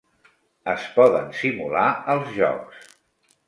Es poden simular els jocs.